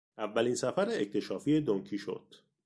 اولین سفر اکتشافی دن کیشوت